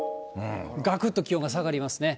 がくっと気温が下がりますね。